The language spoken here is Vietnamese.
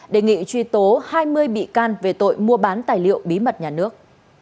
đề nghị truy tố hai mươi bị can về tội mua bán tài liệu bí mật nhà nước